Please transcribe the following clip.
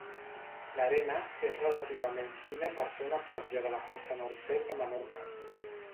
L'arena és relativament fina per ser una platja de la costa nord-est de Menorca.